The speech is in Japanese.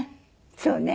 そうね。